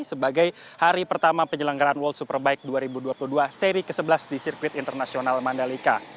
sebagai hari pertama penyelenggaran world superbike dua ribu dua puluh dua seri ke sebelas di sirkuit internasional mandalika